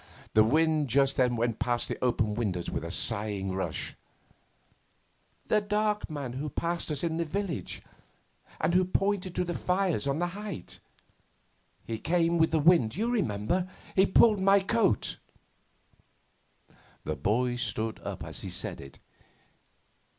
The wind just then went past the open windows with a singing rush. 'The dark man who passed us in the village, and who pointed to the fires on the heights. He came with the wind, you remember. He pulled my coat.' The boy stood up as he said it.